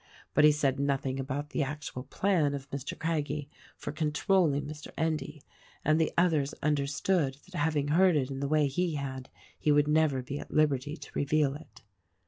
But he said nothing about the actual plan of Mr. Craggie for controlling Mr. Endy; and the others under stood that having heard it in the way he had, he would never be at liberty to reveal it.